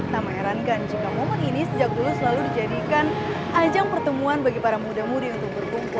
tak mengherankan jika momen ini sejak dulu selalu dijadikan ajang pertemuan bagi para muda mudi untuk berkumpul